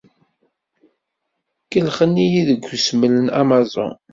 Kellxen-iyi deg usmel n Amazon!